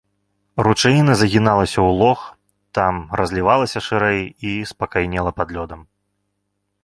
Ручаіна загіналася ў лог, там разлівалася шырэй і спакайнела пад лёдам.